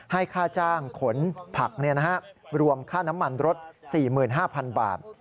ให้ค่าจ้างขนผักรวมค่าน้ำมันรถ๔๕๐๐๐บาท